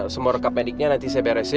semua rekap mediknya nanti saya beresin